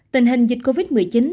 tình hình dịch covid một mươi chín